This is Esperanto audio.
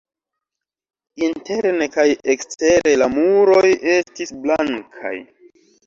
Interne kaj ekstere la muroj estis blankaj.